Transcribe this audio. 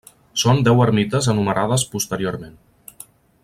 Són deu ermites enumerades posteriorment.